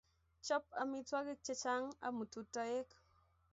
Chop amitwogik chechang', amutu toek.